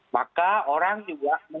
maka orang juga